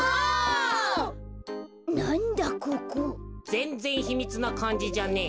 ぜんぜんひみつなかんじじゃねえ。